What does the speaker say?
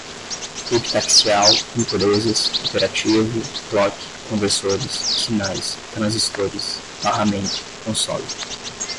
epitaxial, impurezas, operativo, clock, conversores, sinais, transistores, barramento, console